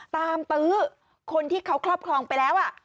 ตื้อคนที่เขาครอบครองไปแล้ว